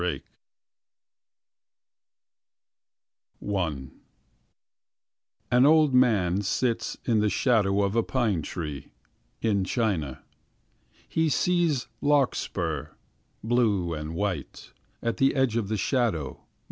b3297635 I An old man sits In the shadow of a pine tree In China. He sees larkspur. Blue and white. At the edge of the shadow.